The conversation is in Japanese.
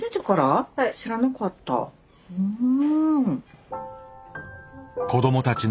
うん。